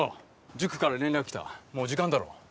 塾から連絡来たもう時間だろう。